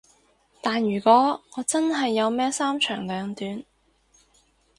但如果我真係有咩三長兩短